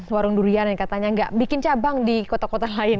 warung durian yang katanya nggak bikin cabang di kota kota lain